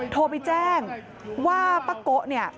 โทรไปแจ้งว่าป้าโกะเนี่ย